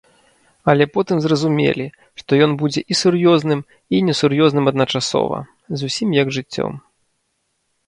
Але потым зразумелі, што ён будзе і сур'ёзным, і несур'ёзным адначасова, зусім як жыццё.